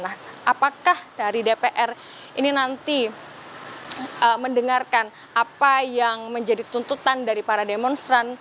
nah apakah dari dpr ini nanti mendengarkan apa yang menjadi tuntutan dari para demonstran